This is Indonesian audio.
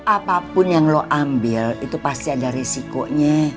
apapun yang lo ambil itu pasti ada risikonya